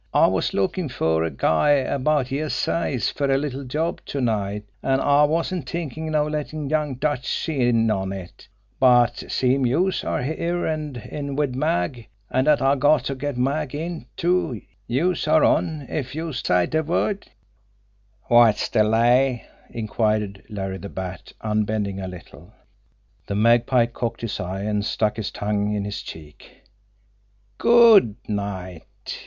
I was lookin' fer a guy about yer size fer a little job to night, an' I was t'inkin' of lettin' Young Dutchy in on it, but seem' youse are here an' in wid Mag, an' dat I got to get Mag in, too, youse are on if youse say de word." "Wot's de lay?" inquired Larry the Bat, unbending a little. The Magpie cocked his eye, and stuck his tongue in his cheek. "GOOD night!"